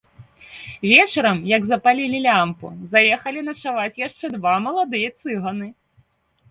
Вечарам, як запалілі лямпу, заехалі начаваць яшчэ два маладыя цыганы.